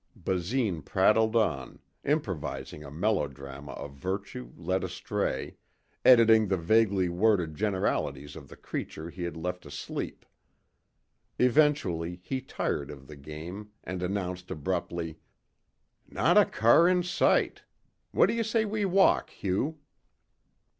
Basine prattled on, improvising a melodrama of virtue led astray, editing the vaguely worded generalities of the creature he had left asleep. Eventually he tired of the game and announced abruptly. "Not a car in sight. What do you say we walk, Hugh?"